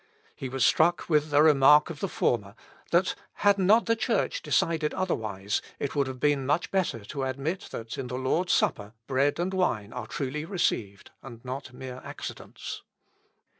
He was struck with a remark of the former that had not the Church decided otherwise, it would have been much better to admit that in the Lord's Supper bread and wine are truly received, and not mere accidents.